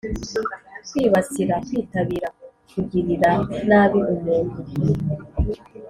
kwibasira: kwitabira kugirira nabi umuntu.